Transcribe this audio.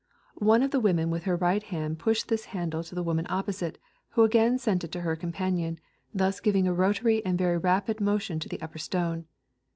One of the women with her right hand pushed this han dle to the wom^n opposite, who again sent it to her companion, thus giving a rotatory and very rapid motion to the upper stone.